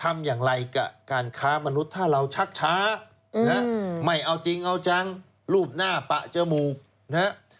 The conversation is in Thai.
ไม่เอาจริงเอาจังรูปหน้าปะเจ้ามูก